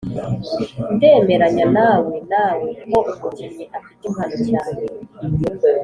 ndemeranya nawe nawe ko umukinnyi afite impano cyane.